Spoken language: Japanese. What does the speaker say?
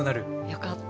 よかった。